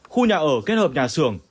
khu nhà ở kết hợp nhà sưởng